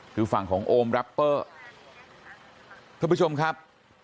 คือฝั่งของโอมแรปเปอร์ท่านผู้ชมครับ